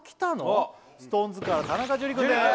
ＳｉｘＴＯＮＥＳから田中樹くんです